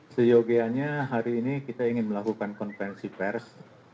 seyogianya hari ini kita ingin melakukan konferensi pers